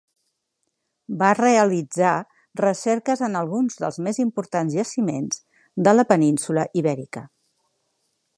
Va realitzar recerques en alguns dels més importants jaciments de la península Ibèrica.